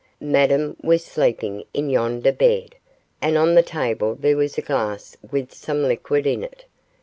Madame was sleeping in yonder bed, and on the table there was a glass with some liquid in it.